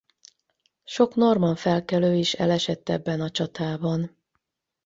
Sok normann felkelő is elesett ebben a csatában.